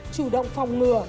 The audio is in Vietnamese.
chủ động phòng ngừa